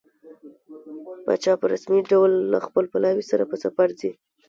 پاچا په رسمي ډول له خپل پلاوي سره په سفر ځي.